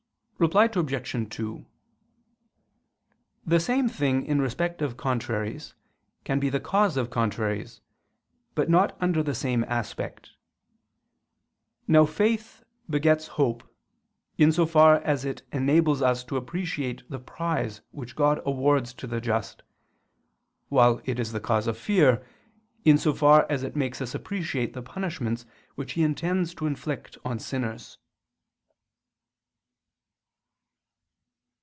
Reply Obj. 2: The same thing in respect of contraries can be the cause of contraries, but not under the same aspect. Now faith begets hope, in so far as it enables us to appreciate the prize which God awards to the just, while it is the cause of fear, in so far as it makes us appreciate the punishments which He intends to inflict on sinners.